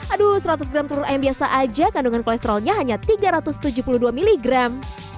aduh seratus gram telur ayam biasa aja kandungan kolesterolnya hanya tiga ratus tujuh puluh dua miligram